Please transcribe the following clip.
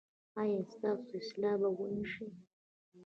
ایا ستاسو اصلاح به و نه شي؟